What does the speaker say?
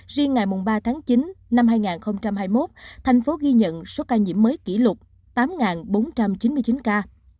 riêng ngày ba tháng chín năm hai nghìn hai mươi một thành phố ghi nhận số ca nhiễm mới kỷ lục tám bốn trăm chín mươi chín ca